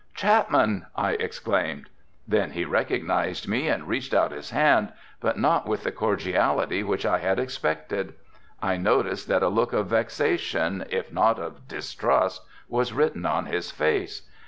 "Chapman!" I exclaimed. Then he recognized me and reached out his hand, but not with the cordiality which I had expected. I noticed that a look of vexation, if not of distrust, was written on his face.